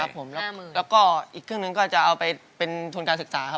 ครับผมแล้วก็อีกครึ่งหนึ่งก็จะเอาไปเป็นชนการศึกษาครับ